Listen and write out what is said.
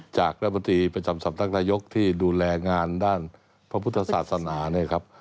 จากรัฐมนตรีประจำสำนักนายกที่ดูแลงานด้านพระพุทธศาสนาเนี่ยครับ